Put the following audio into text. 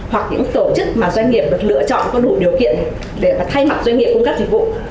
hoặc những tổ chức mà doanh nghiệp được lựa chọn có đủ điều kiện để mà thay mặt doanh nghiệp cung cấp dịch vụ